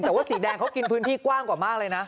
แต่ว่าสีแดงเขากินพื้นที่กว้างกว่ามากเลยนะ